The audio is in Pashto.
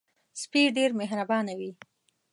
سپي ډېر مهربانه وي.